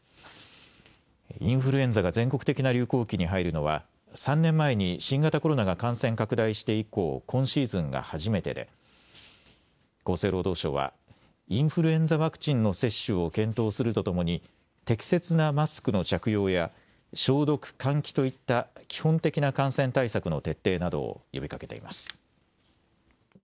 インフルエンザが全国的な流行期に入るのは３年前に新型コロナが感染拡大して以降、今シーズンが初めてで厚生労働省はインフルエンザワクチンの接種を検討するとともに適切なマスクの着用や消毒、換気といった基本的な感染対策の徹底などを呼びかけています。